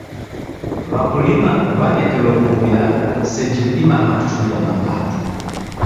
W'akulima w'anekelo w'uya seji w'idimagha kuchuria mapato.